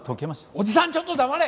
おじさんちょっと黙れ！